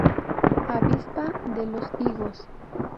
Avispa de los higos